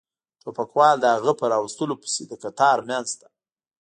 ټوپکوال د هغه په را وستلو پسې د قطار منځ ته.